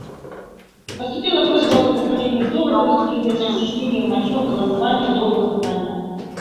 Поступила просьба о предоставлении слова для выступления с разъяснением мотивов голосования до голосования.